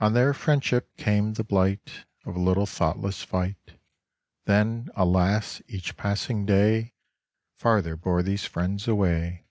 On their friendship came the blight Of a little thoughtless fight; Then, alas! each passing day Farther bore these friends away.